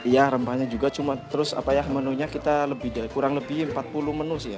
ya rempahnya juga cuma terus apa ya menunya kita kurang lebih empat puluh menu sih ya